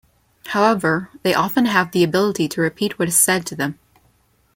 However, they often have the ability to repeat what is said to them.